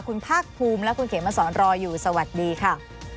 คุณภาคภูมิและคุณเขมสอนรออยู่สวัสดีค่ะ